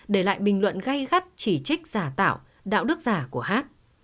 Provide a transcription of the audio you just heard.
để lại bình luận gây gắt chỉ trích giả tạo đạo đức giả của hát